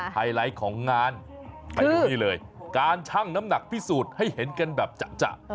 ไฮไลท์ของงานไปดูนี่เลยการชั่งน้ำหนักพิสูจน์ให้เห็นกันแบบจะ